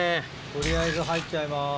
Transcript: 取りあえず入っちゃいます。